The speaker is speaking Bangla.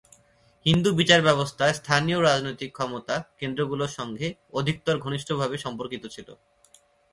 হিন্দু বিচারব্যবস্থা স্থানীয় রাজনৈতিক ক্ষমতা কেন্দ্রগুলোর সঙ্গে অধিকতর ঘনিষ্ঠভাবে সম্পর্কিত ছিল।